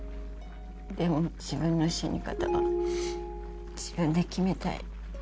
でも自分の死に方は自分で決めたい。